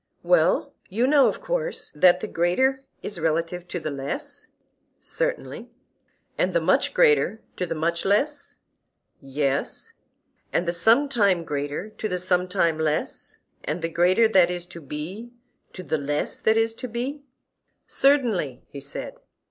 Well, you know of course that the greater is relative to the less? Certainly. And the much greater to the much less? Yes. And the sometime greater to the sometime less, and the greater that is to be to the less that is to be? Certainly, he said.